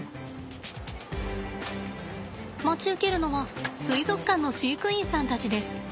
待ち受けるのは水族館の飼育員さんたちです。